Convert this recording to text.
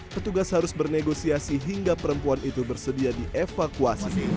petugas harus bernegosiasi hingga perempuan itu bersedia dievakuasi